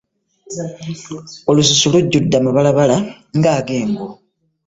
Olususu lujjudde amabalabala ng'age Ngo!